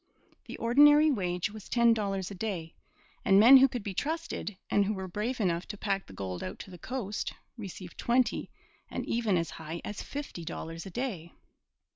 The ordinary wage was ten dollars a day, and men who could be trusted, and who were brave enough to pack the gold out to the coast, received twenty and even as high as fifty dollars a day.